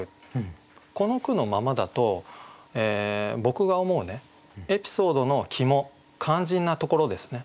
この句のままだと僕が思うエピソードの肝肝心なところですね